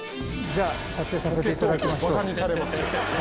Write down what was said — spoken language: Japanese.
じゃあ撮影させていただきましょう。